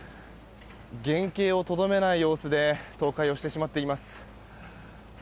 原形をとどめない様子で倒壊をしてしまっています。